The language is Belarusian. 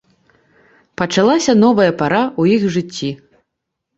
Пачалася новая пара ў іх жыцці.